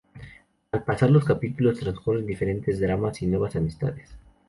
Al pasar los capítulos, transcurren diferentes dramas y nuevas amistades.